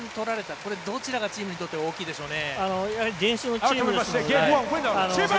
これ、どちらがチームにとっては大きかったでしょうか。